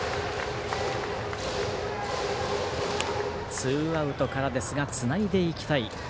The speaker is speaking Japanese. ツーアウトからですがつないでいきたい